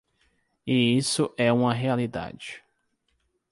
E isso é uma realidade.